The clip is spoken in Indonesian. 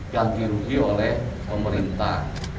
yang dirugi oleh pemerintah